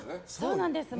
そうなんですよ。